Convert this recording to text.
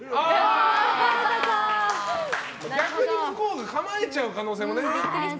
逆に向こうが構えちゃう可能性もね。